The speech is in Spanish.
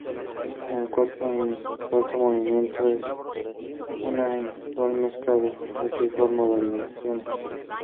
El cuarto movimiento es una inusual mezcla de minueto y forma variaciones.